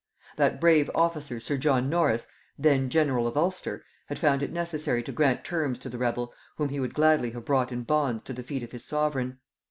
That brave officer sir John Norris, then general of Ulster, had found it necessary to grant terms to the rebel whom he would gladly have brought in bonds to the feet of his sovereign.